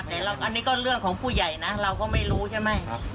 แต่อันนี้ก็เรื่องของผู้ใหญ่นะเราก็ไม่รู้ใช่ไหม